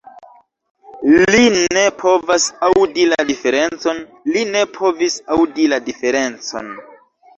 Li ne povas aŭdi la diferencon li ne povis aŭdi la diferencon!